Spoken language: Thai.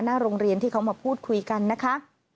หน้าโรงเรียนที่เขามาพูดคุยกันนะคะ